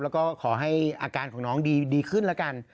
แล้วก็ขอให้อาการของน้องดีขึ้นแล้วกัน